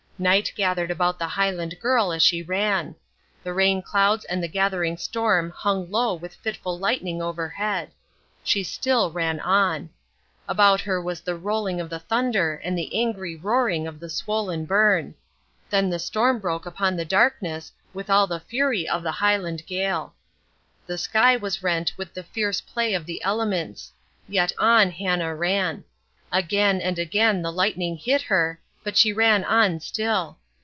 Night gathered about the Highland girl as she ran. The rain clouds and the gathering storm hung low with fitful lightning overhead. She still ran on. About her was the rolling of the thunder and the angry roaring of the swollen burn. Then the storm broke upon the darkness with all the fury of the Highland gale. The sky was rent with the fierce play of the elements. Yet on Hannah ran. Again and again the lightning hit her, but she ran on still.